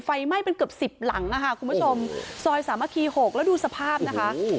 ไฟไหม้เป็นเกือบสิบหลังค่ะคุณผู้ชมซอยสามัคคีหกแล้วดูสภาพนะคะ